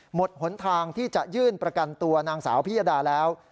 หนทางที่จะยื่นประกันตัวนางสาวพิยดาแล้ว